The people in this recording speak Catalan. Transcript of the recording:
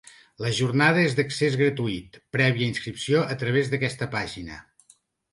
La jornada és d’accés gratuït, prèvia inscripció a través d’aquesta pàgina.